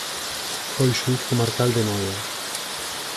Foi Xuíz comarcal de Noia.